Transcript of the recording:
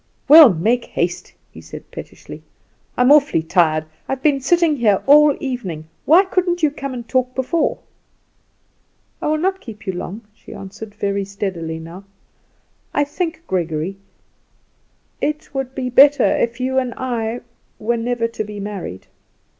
"Well, make haste," he said pettishly. "I'm awfully tired. I've been sitting here all the evening. Why couldn't you come and talk before?" "I will not keep you long," she answered very steadily now. "I think, Gregory, it would be better if you and I were never to be married."